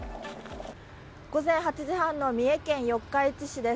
午前８時半の三重県四日市市です。